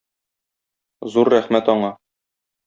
Зур рәхмәт аңа.